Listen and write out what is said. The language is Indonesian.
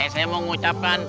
saya mau mengucapkan